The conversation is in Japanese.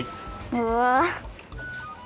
うわ。